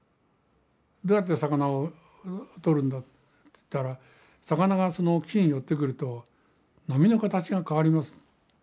「どうやって魚をとるんだ？」と言ったら「魚がその木に寄ってくると波の形が変わります」。